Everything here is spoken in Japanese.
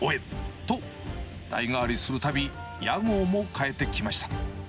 と、代替わりするたび、屋号も変えてきました。